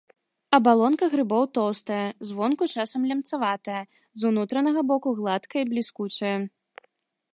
Абалонка грыбоў тоўстая, звонку часам лямцаватая, з унутранага боку гладкая і бліскучая.